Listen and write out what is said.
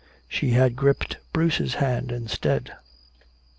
She had gripped Bruce's hand instead.